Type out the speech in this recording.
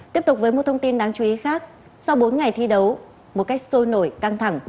tiếp tục với một thông tin đáng chú ý khác sau bốn ngày thi đấu một cách sôi nổi căng thẳng